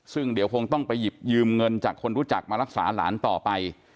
ซึ่งเดี๋ยวคงต้องไปหยิบยืมเงินจากคนรู้จักมารักษาหลานต่อไป